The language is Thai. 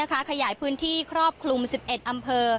ขยายพื้นที่ครอบคลุม๑๑อำเภอ